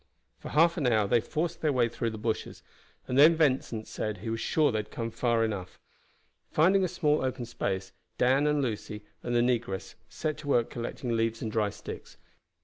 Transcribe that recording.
For half an hour they forced their way through the bushes, and then Vincent said he was sure that they had come far enough. Finding a small open space, Dan, and Lucy, and the negress set to work collecting leaves and dry sticks.